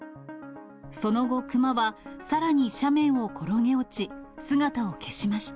その後、熊はさらに斜面を転げ落ち、姿を消しました。